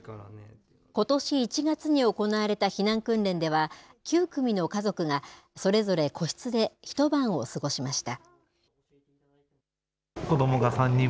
ことし１月に行われた避難訓練では、９組の家族が、それぞれ個室で一晩を過ごしました。